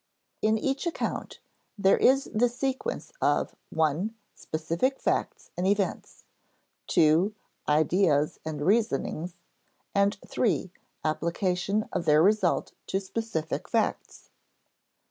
In each account, there is the sequence of (i) specific facts and events, (ii) ideas and reasonings, and (iii) application of their result to specific facts.